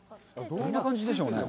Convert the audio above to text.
どんな感じでしょうねぇ